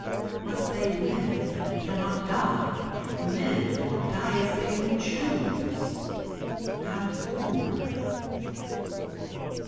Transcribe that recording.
"Must they live and cannot die?" "Live or die as they do choose?" "Have war?"